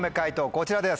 こちらです。